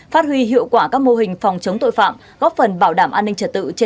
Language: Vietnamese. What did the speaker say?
phát huy hiệu quả các mô hình phòng chống tội phạm góp phần bảo đảm an ninh trật tự trên địa